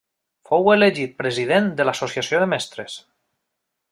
Fou elegit president de l'Associació de mestres.